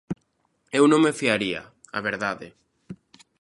Eu non me fiaría, a verdade.